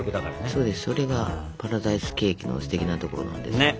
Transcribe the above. そうですそれがパラダイスケーキのすてきなところなんですよ。